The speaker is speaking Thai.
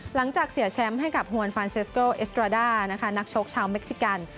หลังจากเสียแชมป์ให้กับฮวนฟานเซสโกเอสตราด้านะคะนักชกชาวเม็กซิกัน